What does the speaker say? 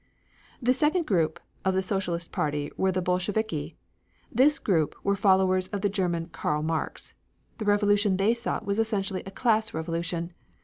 The second group of the Socialist party were the Bolsheviki. This group were followers of the German Karl Marx. The revolution which they sought was essentially a class revolution.